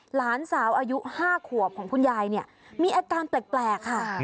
หลานสาวอายุ๕ขวบของคุณยายเนี่ยมีอาการแปลกค่ะ